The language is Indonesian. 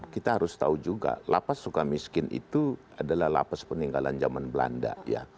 kita harus tahu juga lapas suka miskin itu adalah lapas peninggalan zaman belanda ya